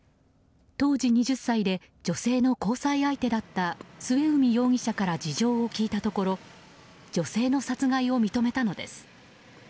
当時２０歳で女性の交際相手だった末海容疑者から事情を聴いたところ女性の殺害を認めたのです。